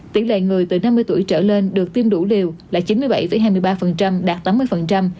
tỷ lệ người từ năm mươi tuổi trở lên được tiêm đủ liều là chín mươi bảy hai mươi ba đạt tám mươi